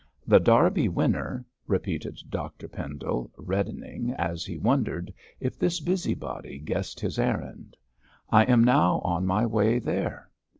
'The Derby Winner,' repeated Dr Pendle, reddening, as he wondered if this busybody guessed his errand. 'I am now on my way there.'